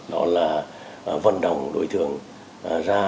đó là vận động người thân tham gia đình